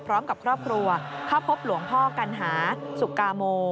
พร้อมกับครอบครัวเข้าพบหลวงพ่อกัณหาสุกาโม